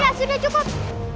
tidak tidak sudah cukup